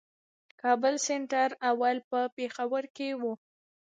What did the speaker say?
کابل سېنټر اول په پېښور کښي وو.